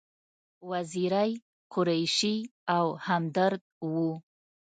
وزیری، قریشي او همدرد و.